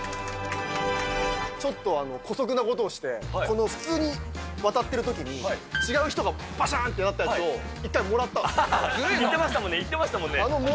ちょっとこそくなことをして、普通に渡っているときに、違う人がばしゃんってなったやつを、言ってましたもんね。